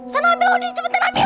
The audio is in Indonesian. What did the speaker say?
sana ambil adi cepetan ambil